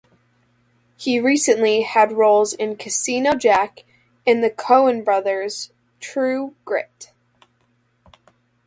He recently had roles in "Casino Jack" and the Coen brothers' "True Grit".